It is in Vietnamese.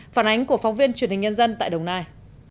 phản ánh của phóng viên truyền hình nhân dân tại đồng nai